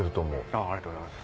ありがとうございます。